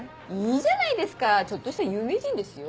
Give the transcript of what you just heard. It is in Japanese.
いいじゃないですかちょっとした有名人ですよ！